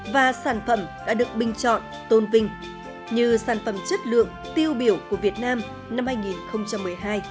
và sản phẩm đã được bình chọn tôn vinh như sản phẩm chất lượng tiêu biểu của việt nam năm hai nghìn một mươi hai